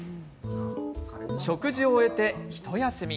食事を終えて、ひと休み。